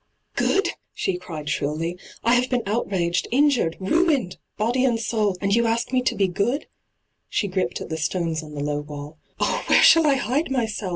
' Good V she cried shrilly. ' I have been outraged, injured, ruined, body and soul, and you ask me to be good 1' She gripped at the stones on the low waU. ' Oh, where shall I hide myself?